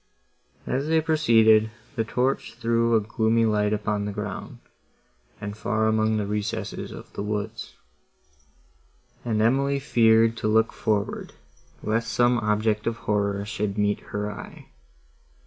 As they proceeded, the torch threw a gloomy light upon the ground, and far among the recesses of the woods, and Emily feared to look forward, lest some object of horror should meet her eye.